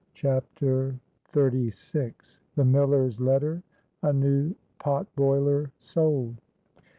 CHAPTER XXXVI. THE MILLER'S LETTER.—A NEW POT BOILER SOLD.